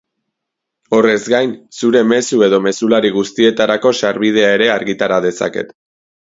Horrez gain, zure mezu eta mezulari guztietarako sarbidea ere argitara dezaket.